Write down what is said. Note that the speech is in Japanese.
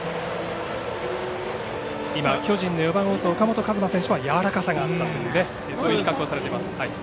今、巨人の４番を打つ岡本和真選手は、柔らかさがあったと比較されています。